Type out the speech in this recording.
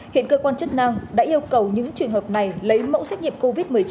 hiện cơ quan chức năng đã yêu cầu những trường hợp này lấy mẫu xét nghiệm covid một mươi chín